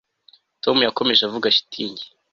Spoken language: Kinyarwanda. Tom yakomeje avuga shitingi